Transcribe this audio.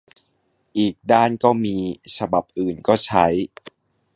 อีกด้านก็มี ฉบับอื่นก็ใช้